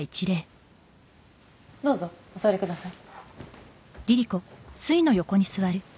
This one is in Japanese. どうぞお座りください